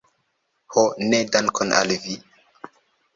Ho ne dankon al vi!